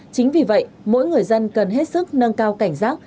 chính vì vậy mỗi người dân cần hết sức nâng cao cảnh giác